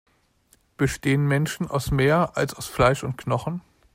Bestehen Menschen aus mehr, als aus Fleisch und Knochen?